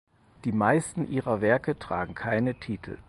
Die meisten ihre Werke tragen keine Titel.